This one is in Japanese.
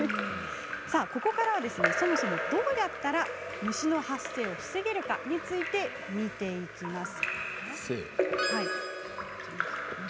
ここからはそもそもどうやったら虫の発生を防げるかについて見ていきます。